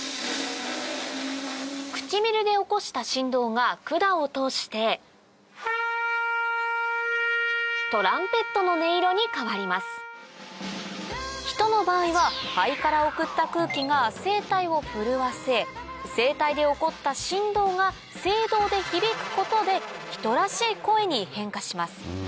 唇で起こした振動が管を通してトランペットの音色に変わります人の場合は肺から送った空気が声帯を震わせ声帯で起こった振動が声道で響くことで人らしい声に変化します